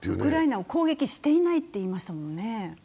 ウクライナを攻撃していないと言いましたもんね。